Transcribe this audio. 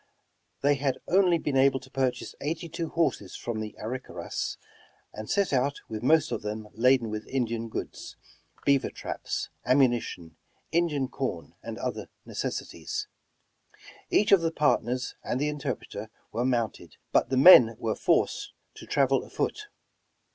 179 The Original John Jacob Astor They liad only been able to purchase eighty two horses from the Arickaras, and set out with most of them laden with Indian goods, beaver traps, ammuni tion, Indian corn and other necessities. Each of the partners and the interpreter were mounted, but the men were forced to travel afoot.